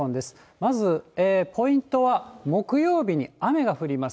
まずポイントは、木曜日に雨が降ります。